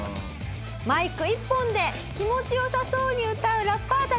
マイク一本で気持ち良さそうに歌うラッパーたち。